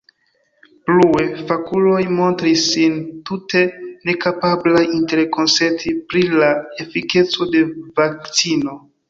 Plue: fakuloj montris sin tute nekapablaj interkonsenti pri la efikeco de vakcino.